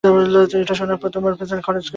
এটা শোনার জন্য তোদের পেছনে টাকা খরচ করি?